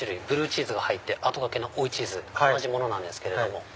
ブルーチーズが入って後がけの追いチーズ同じものなんですけれども。